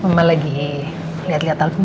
mama lagi liat liat album lima puluh